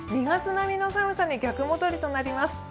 ２月並みの寒さに逆戻りとなります